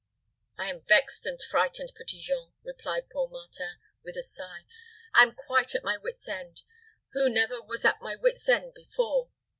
"I am vexed and frightened, Petit Jean," replied poor Martin, with a sigh. "I am quite at my wit's end, who never was at my wit's end before.